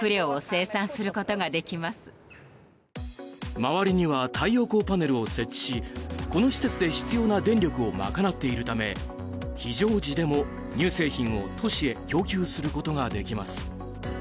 周りには太陽光パネルを設置しこの施設で必要な電力を賄っているため非常時でも乳製品を都市へ供給することができます。